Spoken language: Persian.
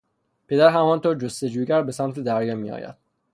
پدر همانطور جستجوگر به سمت دریا میآید